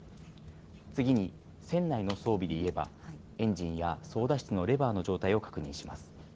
次に、船内の装備で言えば、エンジンや操だ室のレバーの状態を確認します。